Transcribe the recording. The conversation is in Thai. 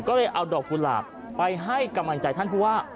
ก็เลยเอาดอกกุหลาบไปให้กำลังใจท่านผู้ว่า